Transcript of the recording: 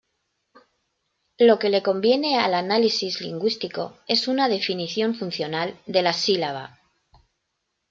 Lo que le conviene al análisis lingüístico es una definición funcional de la sílaba.